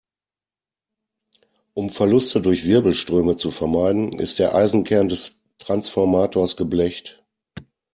Um Verluste durch Wirbelströme zu vermeiden, ist der Eisenkern des Transformators geblecht.